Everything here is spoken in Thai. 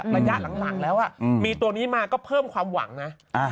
ระยะหลังแล้วมีตัวนี้มาก็เพิ่มความหวังนะ